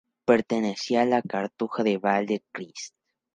Pertenecía a la Cartuja de Vall de Crist.